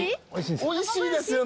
おいしいですよね。